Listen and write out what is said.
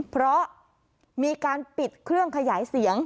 เพราะมีการปิดเครื่องขยายเสียง